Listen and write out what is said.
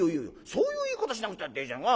そういう言い方しなくたっていいじゃんか。